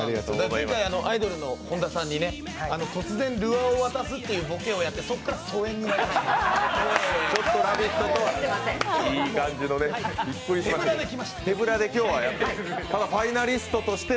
前回、アイドルの本田さんに突然ルアーを渡すというボケをやってそこから疎遠になっていまして。